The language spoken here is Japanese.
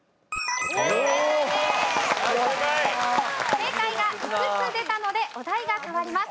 正解が５つ出たのでお題が変わります。